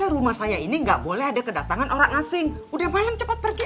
rumah saya ini enggak boleh ada kedatangan orang asing udah malam cepet perlu di